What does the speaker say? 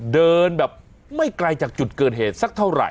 เดินแบบไม่ไกลจากจุดเกิดเหตุสักเท่าไหร